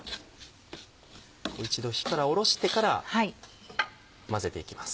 一度火からおろしてから混ぜていきます。